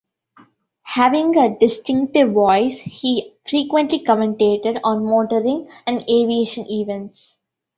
Having a distinctive voice, he frequently commentated on motoring and aviation events.